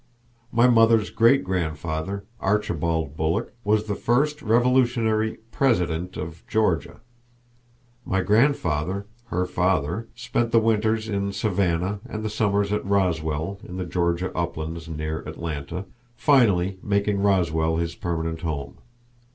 My mother's great grandfather, Archibald Bulloch, was the first Revolutionary "President" of Georgia. My grandfather, her father, spent the winters in Savannah and the summers at Roswell, in the Georgia uplands near Atlanta, finally making Roswell his permanent home.